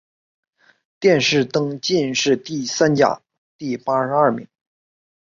殿试登进士第三甲第八十二名。